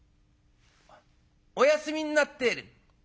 「お休みになってる」。